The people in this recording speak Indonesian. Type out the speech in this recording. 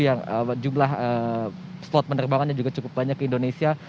yang jumlah spot penerbangannya juga cukup banyak ke indonesia